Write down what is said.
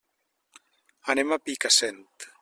Anem a Picassent.